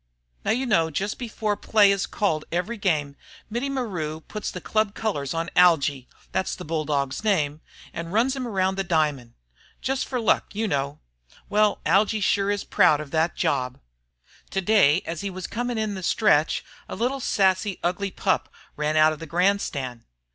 Now you know just before play is called every game, Mittie maru puts the club colors on Algy that's the bulldog's name and runs him around the diamond. Just for luck, you know. Well, Algy surely is proud of that job. Today as he was coming in the stretch, a little, sassy, ugly pup ran out of the grandstand.